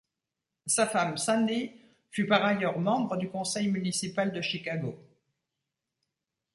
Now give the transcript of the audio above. Sa femme Sandi fut par ailleurs membre du Conseil municipal de Chicago.